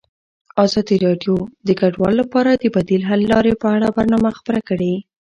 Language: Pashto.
ازادي راډیو د کډوال لپاره د بدیل حل لارې په اړه برنامه خپاره کړې.